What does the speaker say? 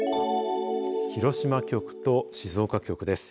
広島局と静岡局です。